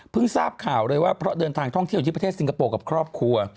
ทราบข่าวเลยว่าเพราะเดินทางท่องเที่ยวที่ประเทศสิงคโปร์กับครอบครัว